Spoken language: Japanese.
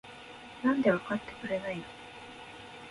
なんでわかってくれないの？？